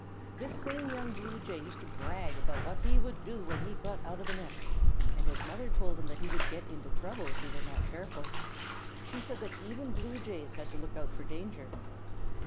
This same young Blue Jay used to brag about what he would do when he got out of the nest, and his mother told him that he would get into trouble if he were not careful. She said that even Blue Jays had to look out for danger.